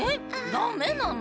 ダメなの？